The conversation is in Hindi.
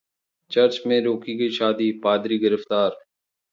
चर्च में रोकी गई शादी, पादरी गिरफ्तार